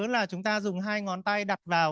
là chúng ta dùng hai ngón tay đặt vào